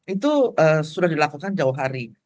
itu sudah dilakukan jauh hari